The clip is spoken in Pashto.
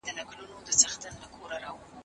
او یوازي هغه څوک هلته پایېږي